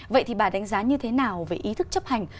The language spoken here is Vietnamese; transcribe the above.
vậy thì bà đánh giá như thế nào về ý thức chấp hành